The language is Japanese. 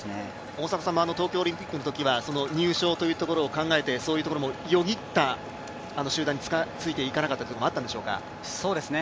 大迫さんも、東京オリンピックのときは、入賞というところを考えてそういうところもよぎったあの集団についていかなかったというところもあるんでしょうか。